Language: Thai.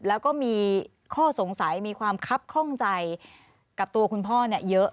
แล้วก็มีข้อสงสัยมีความคับข้องใจกับตัวคุณพ่อเยอะ